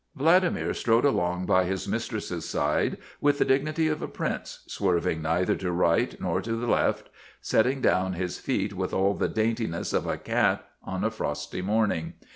Vladimir strode along by his mistress's side with the dignity of a prince, swerving neither to right nor to left, setting down his feet with all the daintiness of a cat on a frosty morning.